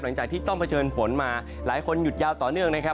หลังจากที่ต้องเผชิญฝนมาหลายคนหยุดยาวต่อเนื่องนะครับ